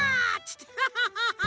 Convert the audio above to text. ハハハハ！